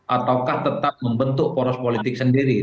ataukah tetap membentuk poros politik sendiri